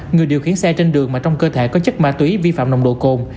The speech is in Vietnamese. người điều khiển xe trên đường mà trong cơ thể có chất ma túy vi phạm nồng độ cồn